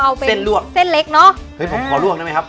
เอาเป็นเส้นลวกเส้นเล็กเนอะเฮ้ยผมขอลวกได้ไหมครับ